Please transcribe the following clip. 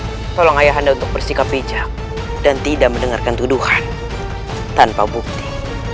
tolong ayah anda untuk bersikap bijak dan tidak mendengarkan tuduhan tanpa bukti